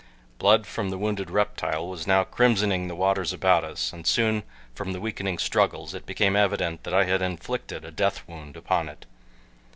Blood from the wounded reptile was now crimsoning the waters about us and soon from the weakening struggles it became evident that I had inflicted a death wound upon it.